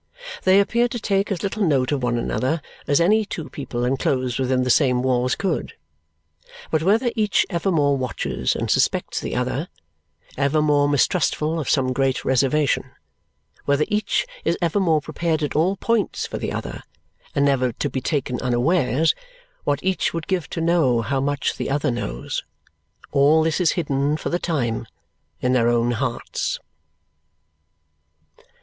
They appear to take as little note of one another as any two people enclosed within the same walls could. But whether each evermore watches and suspects the other, evermore mistrustful of some great reservation; whether each is evermore prepared at all points for the other, and never to be taken unawares; what each would give to know how much the other knows all this is hidden, for the time, in their own hearts.